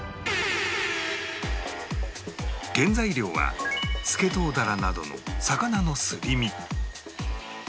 原材料はスケトウダラなどの魚のすり身